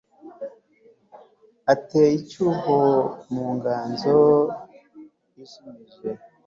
ateye icyuho mu nganzo ijimije